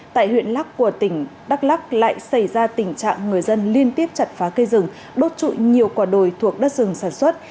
tại huyện lắc của tỉnh đắk lắc lại xảy ra tình trạng người dân liên tiếp chặt phá cây rừng đốt trụi nhiều quả đồi thuộc đất rừng sản xuất